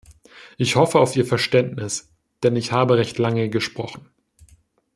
Ich hoffe auf Ihr Verständnis, denn ich habe recht lange gesprochen.